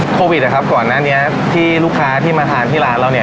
โควิดนะครับก่อนหน้านี้ที่ลูกค้าที่มาทานที่ร้านเราเนี่ย